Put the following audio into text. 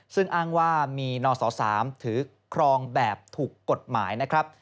ซึ่งอ้างว่ามีนศ๓ถือครองแบบถูกกฎหมายนะครับ